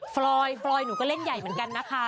ฟลอยเู็ดเป้ลั้มหนูก็เล่นใหญ่เหมือนกันนะคะ